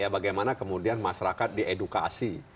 bagaimana kemudian masyarakat diedukasi